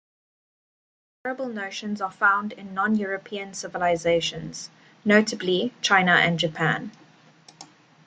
Comparable notions are found in non-European civilizations, notably China and Japan.